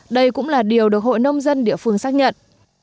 đây cũng là điều được hội nông dân địa phương xác nhận